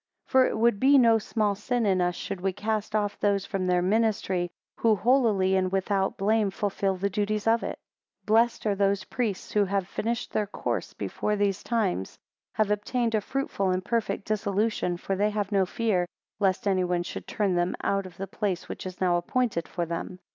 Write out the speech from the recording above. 19 For it would be no small sin in us, should we cast off those from their ministry, who holily and without blame fulfil the duties of it. 20 Blessed are those priests, who having finished their course before these times, have obtained a fruitful and perfect dissolution for they have no fear, lest any one should turn them out of the place which is now appointed for them.